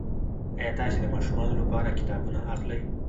ایا تاسي د ماشومانو لپاره کتابونه اخلئ؟